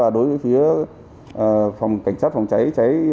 đối với phía cảnh sát phòng cháy